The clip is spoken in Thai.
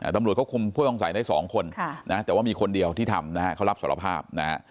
ตำรวจเขาคุมผู้ต้องใส่ได้๒คนแต่ว่ามีคนเดียวที่ทำนะครับ